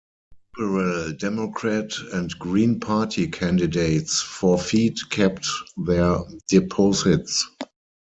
Liberal Democrat and Green Party candidates forfeit kept their deposits.